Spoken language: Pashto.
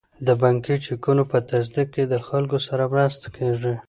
د بانکي چکونو په تصدیق کې له خلکو سره مرسته کیږي.